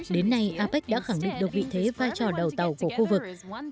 đến nay apec đã khẳng định được vị thế vai trò đầu tàu của khu vực